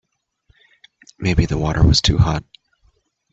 Maybe the water was too hot.